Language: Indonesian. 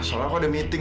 soalnya aku ada meeting